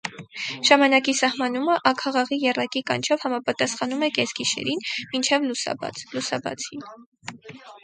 Ժամանակի սահմանումը աքաղաղի եռակի կանչով համապատասխանում է՝ կեսգիշերին, մինչ լուսաբաց, լուսաբացին)։